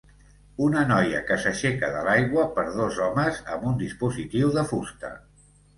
Una noia que s'aixeca de l'aigua per dos homes amb un dispositiu de fusta